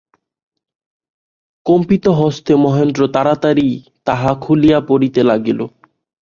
কম্পিতহস্তে মহেন্দ্র তাড়াতাড়ি তাহা খুলিয়া পড়িতে লাগিল।